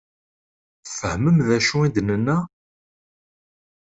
Tfehmem d acu i d-nenna?